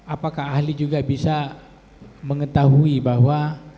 apakah ahli juga bisa mengetahui bahwa